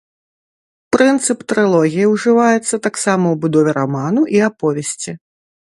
Прынцып трылогіі ўжываецца таксама ў будове раману і аповесці.